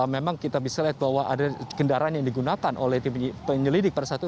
memang kita bisa lihat bahwa ada kendaraan yang digunakan oleh tim penyelidik pada saat itu